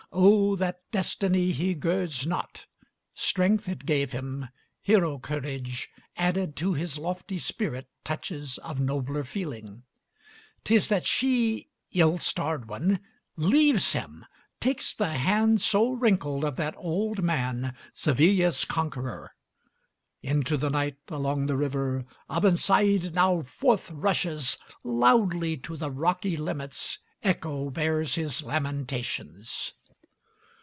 Oh, that destiny he girds not strength it gave him, hero courage, Added to his lofty spirit, touches of nobler feeling 'Tis that she, ill starred one, leaves him! takes the hand so wrinkled Of that old man, Seville's conqueror! Into the night, along the river, Abensaïd now forth rushes: Loudly to the rocky limits, Echo bears his lamentations.